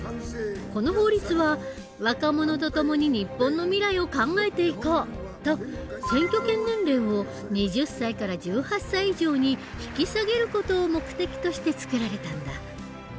この法律は「若者とともに日本の未来を考えていこう」と選挙権年齢を２０歳から１８歳以上に引き下げる事を目的として作られたんだ。